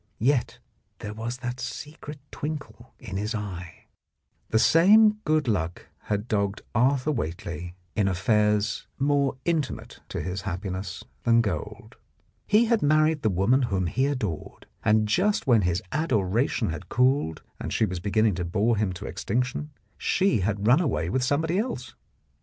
Yet there was that secret twinkle in his eye. ... The same good luck had dogged Arthur Whately 30 The Blackmailer of Park Lane in affairs more intimate to his happiness than gold. He had married the woman whom he adored, and just when his adoration had cooled and she was be ginning to bore him to extinction, she had run away with somebody else.